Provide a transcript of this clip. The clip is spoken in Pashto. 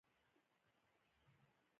تېر شو، زه له خپل سنګره را پاڅېدم.